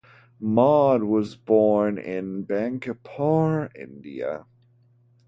Maude was born in Bankipore, India.